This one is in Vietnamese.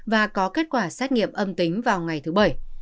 và có kết quả xét nghiệm âm tính vào ngày thứ bảy